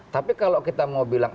tapi kalau kita mau bilang